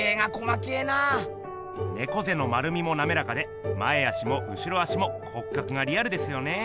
ねこぜの丸みもなめらかで前足も後ろ足も骨格がリアルですよね！